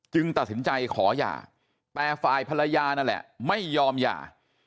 ตัดสินใจขอหย่าแต่ฝ่ายภรรยานั่นแหละไม่ยอมหย่า